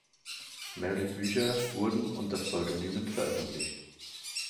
Mehrere Bücher wurden unter Pseudonymen veröffentlicht.